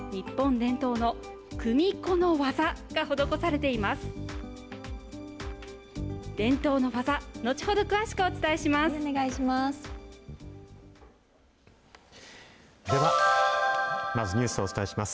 伝統の技、後ほど、詳しくお伝えします。